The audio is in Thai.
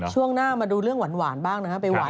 ช่วงหน้ามันดูเรื่องหวานบ้างนะฮะ